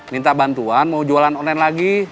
minta bantuan mau jualan online lagi